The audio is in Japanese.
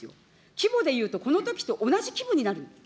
規模で言うとこのときと同じ規模になる。